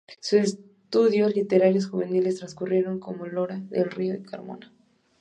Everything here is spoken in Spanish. Sus estudios literarios juveniles transcurrieron entre Lora del Río y Carmona.